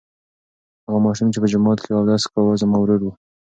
هغه ماشوم چې په جومات کې اودس کاوه زما ورور و.